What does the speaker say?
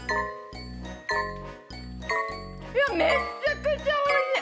めっちゃくちゃおいしい！